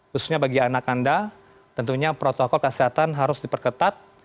khususnya bagi anak anda tentunya protokol kesehatan harus diperketat